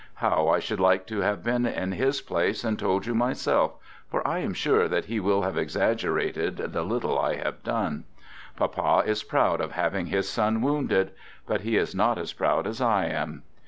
How I should like to have been in his place and told you myself, for I am sure that he will have exaggerated the lit (Letter of a Wounded) 138 "THE GOOD SOLDIER tie I have done. Papa is proud of having his son wounded. But he is not as proud as I am.